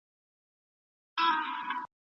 هغه شل ورکوي.